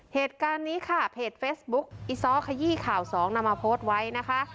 เหตุการณ์นี้ค่ะเพจเฟซบุ๊คอีซ้อขยี้ข่าวสองนำมาโพสต์ไว้นะคะ